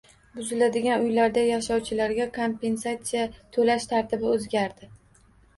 Buziladigan uylarda yashovchilarga kompensatsiya toʻlash tartibi oʻzgardi